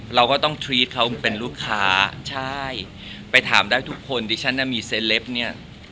เราก็ต้องเป็นลูกค้าใช่ไปถามได้ทุกคนที่ฉันน่ะมีเนี้ย